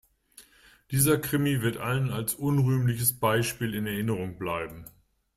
Dieser Krimi wird allen als unrühmliches Beispiel in Erinnerung bleiben.